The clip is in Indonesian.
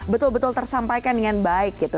betul betul tersampaikan dengan baik gitu